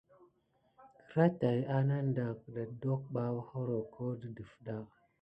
Kraà tät anadan keto ɓa hokorho de defta.